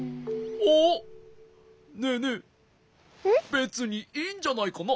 べつにいいんじゃないかな？